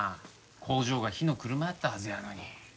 工場が火の車やったはずやのに。